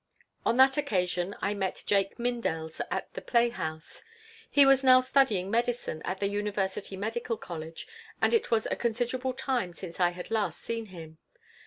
On that occasion I met Jake Mindels at the playhouse. He was now studying medicine at the University Medical College, and it was a considerable time since I had last seen him.